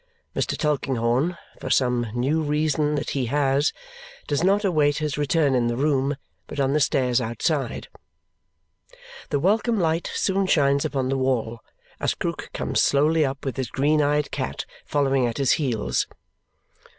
Mr. Tulkinghorn, for some new reason that he has, does not await his return in the room, but on the stairs outside. The welcome light soon shines upon the wall, as Krook comes slowly up with his green eyed cat following at his heels.